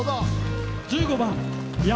１５番「山」。